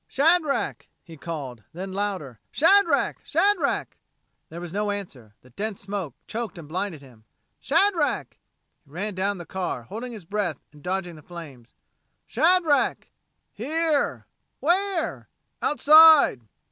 "Shadrack!" he called; then louder, "Shadrack! Shadrack!" There was no answer. The dense smoke choked and blinded him. "Shadrack!" He ran down the car, holding his breath and dodging the flames. "Shadrack!" "Here!" "Where?" "Outside."